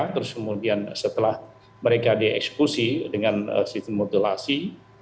terus kemudian setelah mereka dieksekusi dengan sistem modelasi